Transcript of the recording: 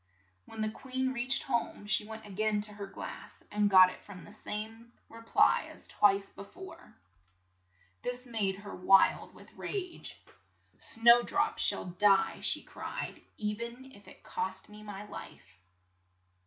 When the queen reached home she went a gain to her glass, and got from it the same re ply as twice be fore. This made 72 LITTLE SNOWDROP her wild with rage. "Snow drop shall die," she cried, "e ven if it cost me my life."